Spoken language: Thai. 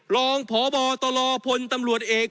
รองพบตลพลตำรวจเอก